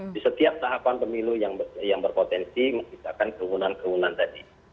di setiap tahapan pemilu yang berpotensi menciptakan kerumunan kerumunan tadi